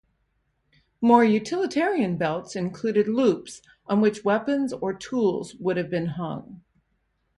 More utilitarian belts included loops on which weapons or tools would have been hung.